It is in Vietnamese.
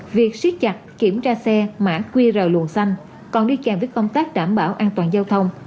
việc siết chặt kiểm tra xe mã quy rờ luồng xanh còn đi chàng với công tác đảm bảo an toàn giao thông